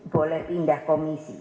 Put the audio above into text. boleh pindah komisi